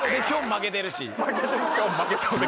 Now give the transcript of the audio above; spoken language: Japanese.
負けてるし。